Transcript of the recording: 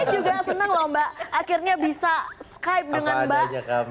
saya juga senang loh mbak akhirnya bisa skype dengan mbak